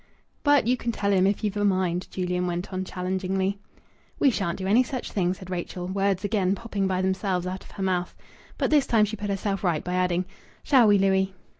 "But you can tell him, if you've a mind," Julian went on challengingly. "We shan't do any such thing," said Rachel, words again popping by themselves out of her mouth. But this time she put herself right by adding, "Shall we, Louis?"